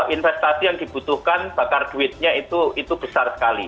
investasi yang dibutuhkan bakar duitnya itu besar sekali